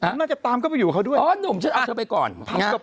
น่าจะตามเข้าไปอยู่กับเขาด้วยอ๋อหนุ่มฉันเอาเธอไปก่อน